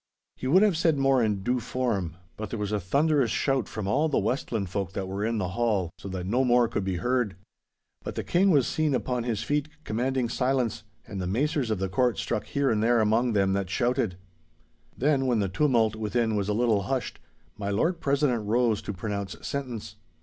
He would have said more in due form, but there was a thunderous shout from all the Westland folk that were in the hall, so that no more could be heard. But the King was seen upon his feet commanding silence, and the macers of the court struck here and there among them that shouted. Then when the tumult within was a little hushed, my Lord President rose to pronounce sentence.